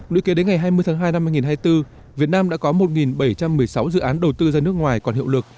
lũy kế đến ngày hai mươi tháng hai năm hai nghìn hai mươi bốn việt nam đã có một bảy trăm một mươi sáu dự án đầu tư ra nước ngoài còn hiệu lực